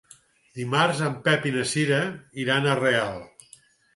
Dimarts en Pep i na Cira iran a Real.